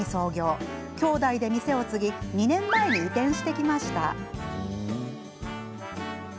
その後、兄弟で店を継ぎ２年前に移転してきました。